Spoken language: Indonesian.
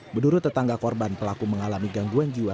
menurut tetangga korban pelaku mengalami gangguan jiwa